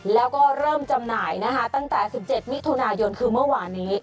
แล้วก็เริ่มจำหน่ายนะคะตั้งแต่๑๗มิถุนายนคือเมื่อวานนี้